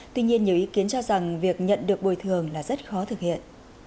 tuy nhiên nhiều ý kiến cho rằng việc nhận được bồi thường là rất khó thực hiện